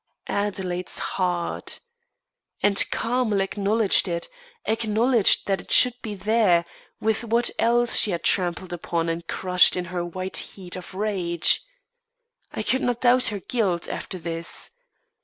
Adelaide's heart! And Carmel acknowledged it acknowledged that it should be there, with what else she had trampled upon and crushed in her white heat of rage. I could not doubt her guilt, after this.